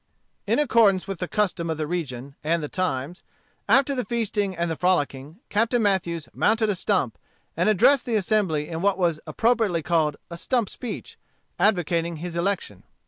In accordance with the custom of the region and the times, after the feasting and the frolicking, Captain Mathews mounted a stump, and addressed the assembly in what was appropriately called a stump speech, advocating his election.